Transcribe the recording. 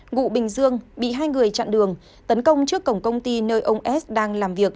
ngụ bình dương bị hai người chặn đường tấn công trước cổng công ty nơi ông s đang làm việc